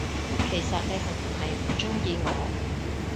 其實你係唔係唔鍾意我，？